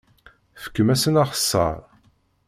Fkem-asen axeṣṣar!